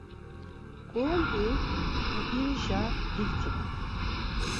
K̆urump̆i pukirişa diktiren.